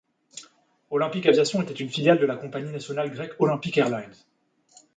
Olympic Aviation était une filiale de la compagnie nationale grecque Olympic Airlines.